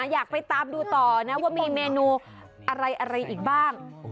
อยากไปตามดูต่อนะว่ามีเมนูอะไรอีกบ้าง